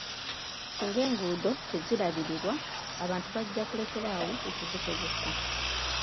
Singa enguudo tezirabirirwa, abantu bajja kulekera awo okuzikozesa.